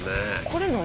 これ何？